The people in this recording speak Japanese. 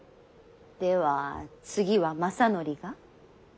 では次は政範が？